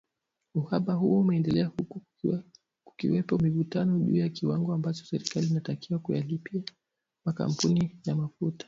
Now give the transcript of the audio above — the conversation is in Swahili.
Uhaba huo umeendelea huku kukiwepo mivutano juu ya kiwango ambacho serikali inatakiwa kuyalipa makampuni ya mafuta